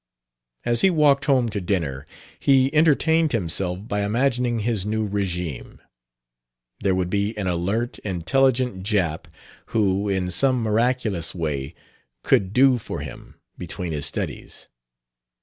As he walked home to dinner he entertained himself by imagining his new regime. There would be an alert, intelligent Jap, who, in some miraculous way, could "do for him" between his studies.